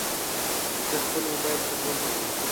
زه خپل موبایل ترمیم ته وړم.